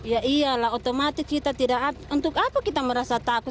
ya iyalah otomatis kita tidak untuk apa kita merasa takut